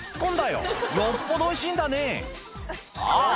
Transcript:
よっぽどおいしいんだねあぁ